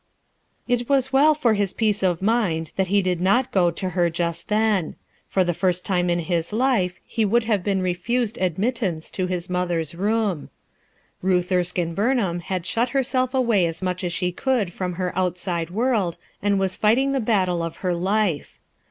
It was well for his peace of mind that he did BUILT ON THE SAND 2 19 not go to her j U5t then; for the f ir ,t time in his life he would have been refused admittance to his mother's room. Ruth Erskine Bumham had shut herself away as much as she could from her outside world, and was fighting the battle of her life.